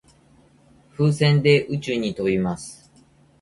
風船で宇宙に飛びます。